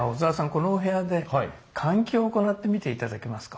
このお部屋で換気を行ってみて頂けますか。